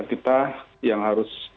kita yang harus